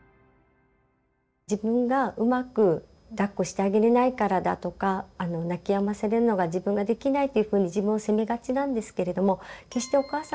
自分がうまくだっこしてあげれないからだとか泣きやませるのが自分ができないというふうに自分を責めがちなんですけれども決してお母さんのせいではないんです。